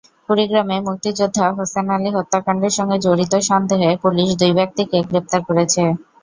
কুড়িগ্রামে মুক্তিযোদ্ধা হোসেন আলী হত্যাকাণ্ডের সঙ্গে জড়িত সন্দেহে পুলিশ দুই ব্যক্তিকে গ্রেপ্তার করেছে।